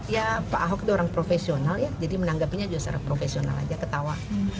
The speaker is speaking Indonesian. ya pak ahok itu orang profesional ya jadi menanggapinya juga secara profesional aja ketawa